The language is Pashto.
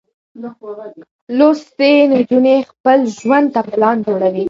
لوستې نجونې خپل ژوند ته پلان جوړوي.